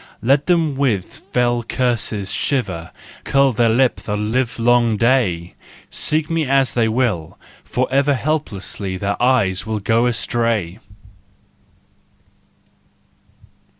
Let them with fell curses shiver, Curl their lip the livelong day! Seek me as they will, forever Helplessly their eyes shall go astray!